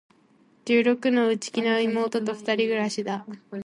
十六の、内気な妹と二人暮しだ。